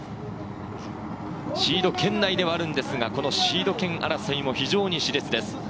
シード圏内ではあるんですが、このシード権争いも非常にし烈です。